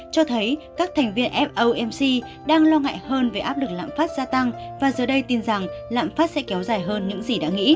cho thấy các thành viên fomc đang lo ngại hơn về áp lực lạm phát gia tăng và giờ đây tin rằng lạm phát sẽ kéo dài hơn những gì đã nghĩ